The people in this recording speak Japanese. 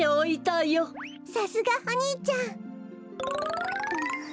さすがおにいちゃん。